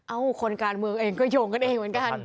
คนการเมืองเองก็โยงกันเองเหมือนกัน